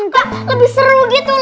kau lebih seru gitu